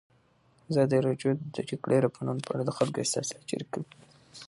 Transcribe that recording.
ازادي راډیو د د جګړې راپورونه په اړه د خلکو احساسات شریک کړي.